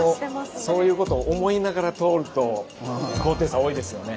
そういうことを思いながら通ると高低差多いですよね。